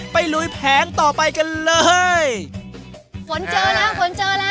ลุยแผงต่อไปกันเลยฝนเจอแล้วฝนเจอแล้ว